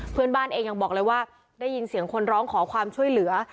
เพื่อนบ้านเองยังบอกเลยว่าได้ยินเสียงคนร้องขอความช่วยเหลือ